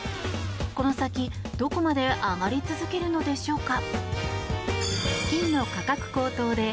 この先、どこまで上がり続けるのでしょうか。